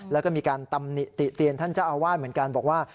แล้วก็มีการตำหนิติเตียนท่านเจ้าอาวาสเหมือนกันบอกว่า